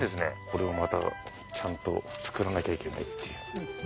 これをまたちゃんと作らなきゃいけないっていう。